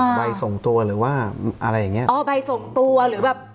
ใบส่งตัวหรือว่าอะไรอย่างเงี้อ๋อใบส่งตัวหรือแบบ